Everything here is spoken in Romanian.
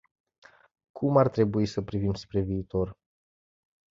Cum ar trebui să privim spre viitor?